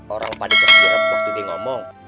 orang pada terkiraf waktu dia ngomong